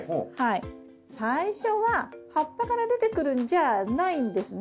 最初は葉っぱから出てくるんじゃないんですね。